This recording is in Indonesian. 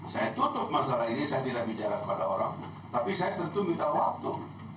saya tutup masalah ini saya tidak bicara kepada orang tapi saya tentu minta waktu